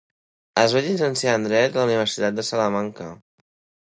Es va llicenciar en Dret a la Universitat de Salamanca.